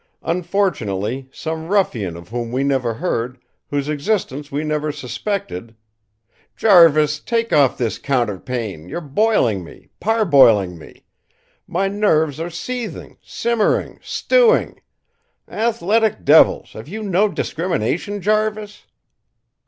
Unfortunately, some ruffian of whom we never heard, whose existence we never suspected Jarvis, take off this counterpane; you're boiling me, parboiling me; my nerves are seething, simmering, stewing! Athletic devils! Have you no discrimination, Jarvis?